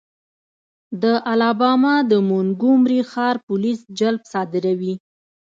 د الاباما د مونګومري ښار پولیس جلب صادروي.